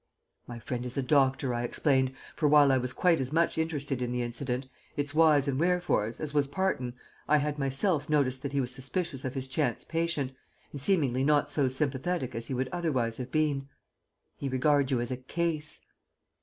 "My friend is a doctor," I explained; for while I was quite as much interested in the incident, its whys and wherefores, as was Parton, I had myself noticed that he was suspicious of his chance patient, and seemingly not so sympathetic as he would otherwise have been. "He regards you as a case."